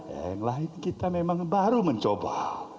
yang lain kita memang baru mencoba